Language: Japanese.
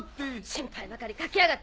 心配ばかりかけやがって！